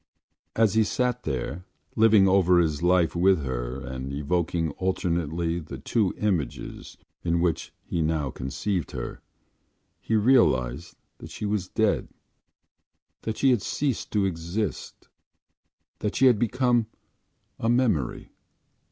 As he sat there, living over his life with her and evoking alternately the two images in which he now conceived her, he realised that she was dead, that she had ceased to exist, that she had become a memory.